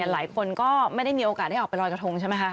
หลายคนก็ไม่ได้มีโอกาสได้ออกไปลอยกระทงใช่ไหมคะ